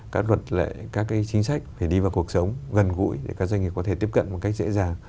các luật lệ các cái chính sách phải đi vào cuộc sống gần gũi để các doanh nghiệp có thể tiếp cận một cách dễ dàng